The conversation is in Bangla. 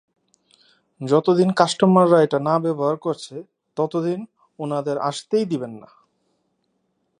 যতদিন কাস্টমাররা এটা না ব্যবহার করছে, ততদিন, ওনাদের আসতেই দিবেন না।